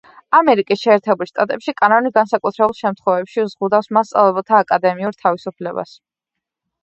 ამერიკის შეერთებულ შტატებში კანონი განსაკუთრებულ შემთხვევებში ზღუდავს მასწავლებელთა აკადემიურ თავისუფლებას.